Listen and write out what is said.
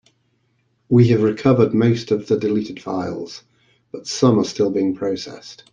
We have recovered most of the deleted files, but some are still being processed.